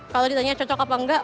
kalau ditanya cocok apa enggak